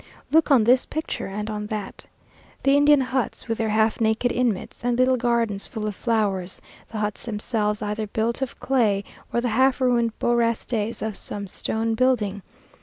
"Look on this picture, and on that." The Indian huts, with their half naked inmates, and little gardens full of flowers; the huts themselves either built of clay, or the half ruined beaux restes of some stone building.